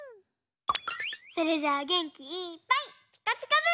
それじゃあげんきいっぱい「ピカピカブ！」。